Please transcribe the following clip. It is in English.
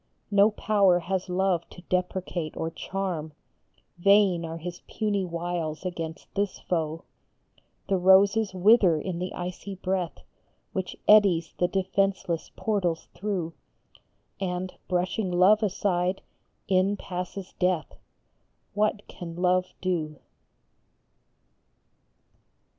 No power has Love to deprecate or charm, Vain are his puny wiles against this foe ; The roses wither in the icy breath Which eddies the defenceless portals through, And, brushing Love aside, in passes Death What can Love do